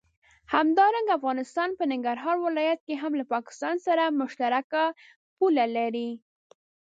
همدارنګه افغانستان په ننګرهار ولايت کې هم له پاکستان سره مشترکه پوله لري.